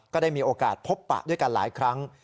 ก็ได้มีโอกาสพบปะด้วยกันหลายครั้ง